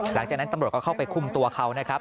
หลังจากนั้นตำรวจก็เข้าไปคุมตัวเขานะครับ